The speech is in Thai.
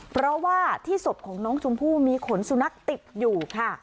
เพราะว่าที่ศพของน้องชมพู่มีขนสุนัขติดอยู่ค่ะ